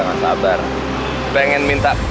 gak sabar pengen minta